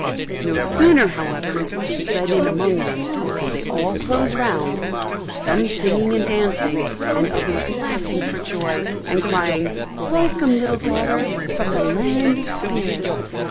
No sooner however is Lucy led in among them, than they all close round, some singing and dancing, and others laughing for joy, and crying, "Welcome little daughter, from the land of spirits!"